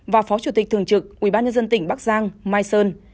và phó chủ tịch thường trực ủy ban dân tỉnh bắc giang mai sơn